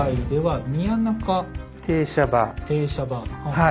はい。